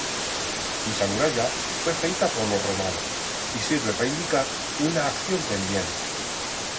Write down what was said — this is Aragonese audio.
Ixa muralla fue feita por los romanos y sirve pa indicar una acción pendient.